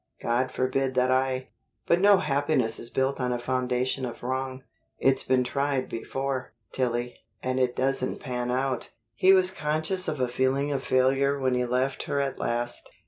God forbid that I But no happiness is built on a foundation of wrong. It's been tried before, Tillie, and it doesn't pan out." He was conscious of a feeling of failure when he left her at last.